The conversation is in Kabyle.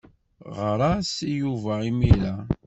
Ɣer-as i Yuba imir-a.